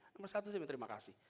nomor satu saya minta terima kasih